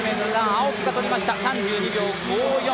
青木が取りました３２秒５４